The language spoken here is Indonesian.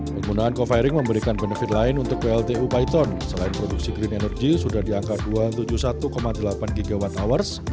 penggunaan co firing memberikan benefit lain untuk pltu paiton selain produksi green energy sudah di angka dua ratus tujuh puluh satu delapan gwh